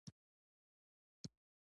• خراب غاښونه د ناروغۍ لامل کیږي.